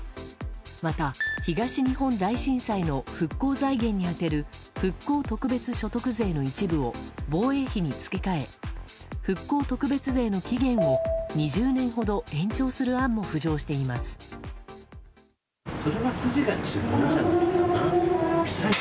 また、東日本大震災の復興財源に充てる復興特別所得税の一部を防衛費に付け替え復興特別税の期限を２０年ほど延長する案も浮上しています。